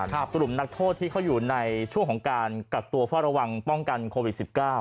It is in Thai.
กลุ่มนักโทษที่เขาอยู่ในช่วงของการกักตัวเฝ้าระวังป้องกันโควิด๑๙